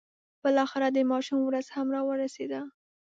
بالاخره د ماشوم ورځ هم را ورسېده.